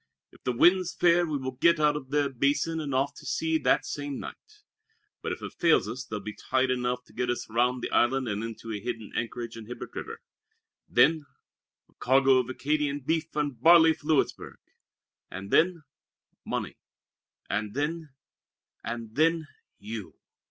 If the wind's fair we will get out of the Basin and off to sea that same night; but if it fails us there'll be tide enough to get us round the Island and into a hidden anchorage in Hibert River. Then a cargo of Acadian beef and barley for Louisburg! And then money! And then and then you!"